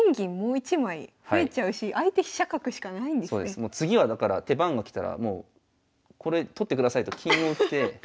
もう次はだから手番が来たらもうこれ取ってくださいと金を打って。